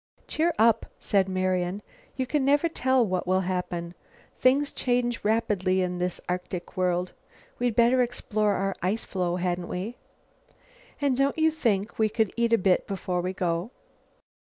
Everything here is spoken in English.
"Cheer up!" said Marian. "You can never tell what will happen. Things change rapidly in this Arctic world. We'd better explore our ice floe, hadn't we? And don't you think we could eat a bit before we go?"